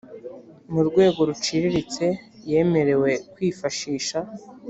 mu rwego ruciriritse yemerewe kwifashisha